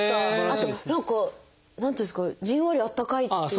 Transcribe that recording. あと何か何ていうんですかじんわりあったかいっていうか。